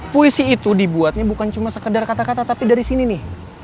puisi itu dibuatnya bukan cuma sekedar kata kata tapi dari sini nih